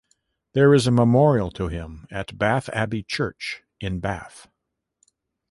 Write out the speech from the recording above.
There is a memorial to him at Bath Abbey church in Bath.